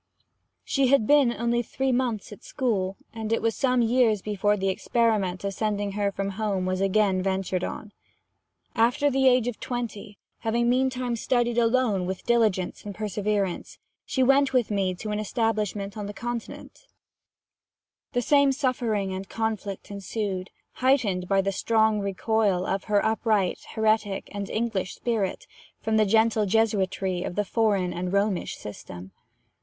She had only been three months at school; and it was some years before the experiment of sending her from home was again ventured on. After the age of twenty, having meantime studied alone with diligence and perseverance, she went with me to an establishment on the Continent: the same suffering and conflict ensued, heightened by the strong recoil of her upright, heretic and English spirit from the gentle Jesuitry of the foreign and Romish system.